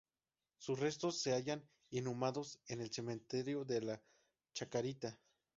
Sus restos se hallan inhumados en el cementerio de la Chacarita.